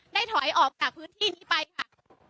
ถอยออกจากพื้นที่นี้ไปค่ะ